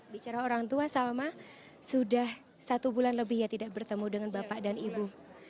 bicara orang tua salma sudah satu bulan lebih ya tidak bertemu dengan bapak dan ibu